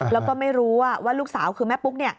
แล้วก็ไม่รู้ว่าลูกสาวคือแม่ปุ๊ก